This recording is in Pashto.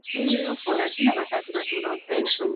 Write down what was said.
د میوو او خوراکي نباتاتو راټولول پیل شول.